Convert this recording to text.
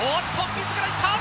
自らいった！